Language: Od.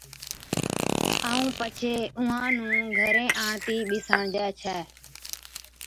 ائُون پڇي اُونھان نُون گھرين آڻتِي ٻِساڻجي ڇَي